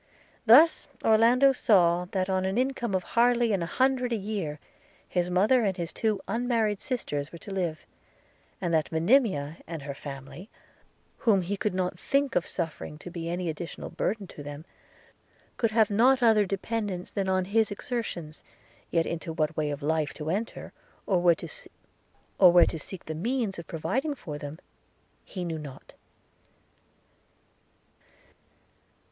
Thus Orlando saw, that on an income of hardly an hundred a year, his mother and his two unmarried sisters were to live; and that Monimia and her family, whom he could not think of suffering to be any additional burden to them, could have not other dependence than on his exertions; yet into what way of life to enter, or where to seek the means of providing for them, he knew not.